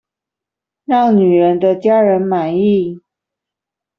讓女人的家人滿意